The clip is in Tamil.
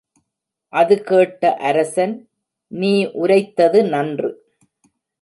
அதுகேட்ட அரசன், நீ உரைத்தது நன்று.